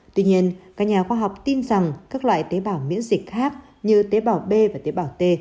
tuy nhiên các nhà khoa học tin rằng các loại tế bảo miễn dịch khác có thể trở thành một yếu tố trong phản ứng miễn dịch của cơ thể